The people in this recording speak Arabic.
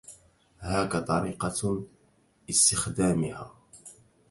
هاك طريقة استخدامها.